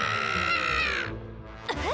えっ？